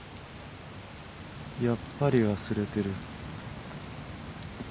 やっぱり忘れてる。